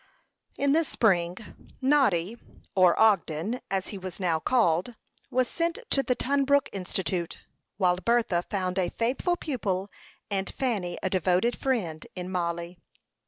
In the spring, Noddy, or Ogden, as he was now called, was sent to the Tunbrook Institute; while Bertha found a faithful pupil, and Fanny a devoted friend, in Mollie.